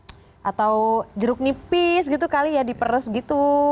kayak essential oil atau jeruk nipis gitu kali ya diperes gitu